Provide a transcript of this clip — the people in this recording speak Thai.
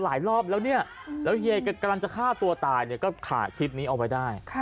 หลายรอบแล้วเฮียอย่ากำลังจะฆ่าตัวตายก็ขาดคลิปนี้ออกไปได้